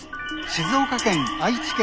静岡県愛知県